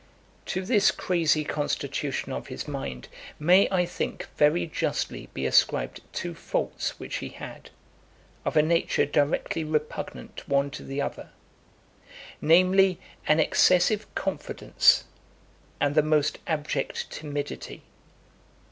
LI. To this crazy constitution of his mind may, I think, very justly be ascribed two faults which he had, of a nature directly repugnant one to the other, namely, an excessive confidence and the most abject timidity.